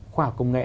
khoa công nghệ